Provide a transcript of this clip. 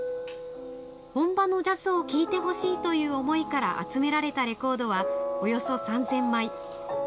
本場のジャズを聴いてほしいという思いから集められたレコードはおよそ３０００枚。